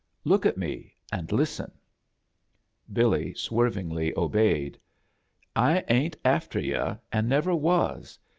"Look at me, and listen." Billy swervingly obeyed. ., "I ain't after yu', and never was.